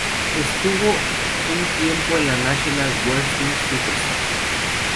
Estuvo un tiempo en la National Wrestling Superstars.